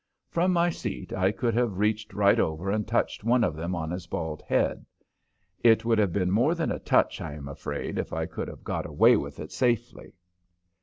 From my seat I could have reached right over and touched one of them on his bald head. It would have been more than a touch, I am afraid, if I could have got away with it safely.